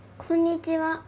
こんにちは。